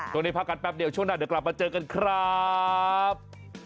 พักกันแป๊บเดียวช่วงหน้าเดี๋ยวกลับมาเจอกันครับ